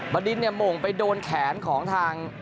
บรรดิเนี่ยโหม่งไปโดนแขนของทาง